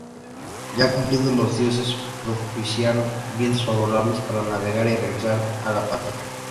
Ya cumplidos, los dioses propiciaron vientos favorables para navegar y regresar a la patria.